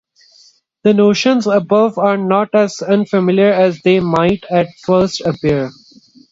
The notions above are not as unfamiliar as they might at first appear.